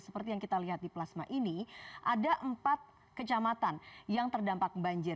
seperti yang kita lihat di plasma ini ada empat kecamatan yang terdampak banjir